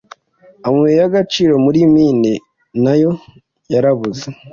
amabuye y’agaciro muri mine nto yarabuze